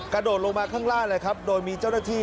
กระโดดลงมาข้างล่างเลยครับโดยมีเจ้าหน้าที่